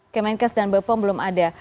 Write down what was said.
kemenkes dan bepom belum ada